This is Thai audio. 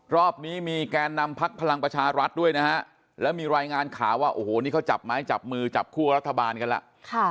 รอบนี้มีแกนนำพักพลังประชารัฐด้วยนะฮะแล้วมีรายงานข่าวว่าโอ้โหนี่เขาจับไม้จับมือจับคั่วรัฐบาลกันล่ะ